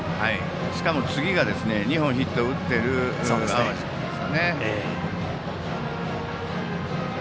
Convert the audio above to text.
しかも次が２本ヒットを打っている淡路君ですからね。